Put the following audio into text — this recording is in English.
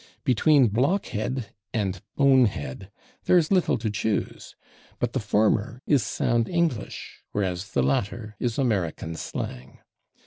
Between /block head/ and /bone head/ there is little to choose, but the former is sound English, whereas the latter is American slang.